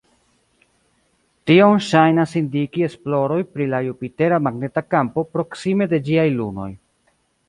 Tion ŝajnas indiki esploroj pri la Jupitera magneta kampo proksime de ĝiaj lunoj.